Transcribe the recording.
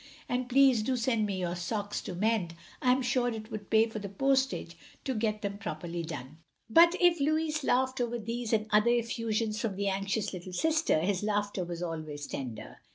And please do send me your socks to mend, I am sure it would pay for the postage to get them properly done." But if Louis laughed over these and other effusions from the anxious little sister, his laughter was always tender.